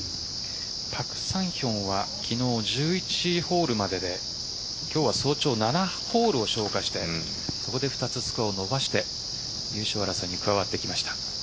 パク・サンヒョンは昨日１１ホールまでで今日は早朝、７ホールを消化してそこで２つスコアを伸ばして優勝争いに加わってきました。